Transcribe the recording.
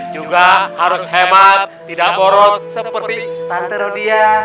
juga harus hemat tidak boros seperti tante rodia